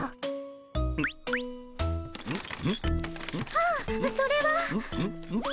あっそれは。